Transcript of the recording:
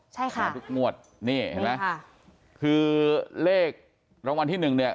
ใช่ค่ะทุกงวดนี่เห็นไหมค่ะคือเลขรางวัลที่หนึ่งเนี่ย